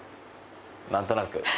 何となく？